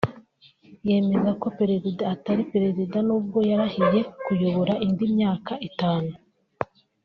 yemeza ko Perezida atari Perezida n’ubwo yarahiye kuyobora indi myaka itanu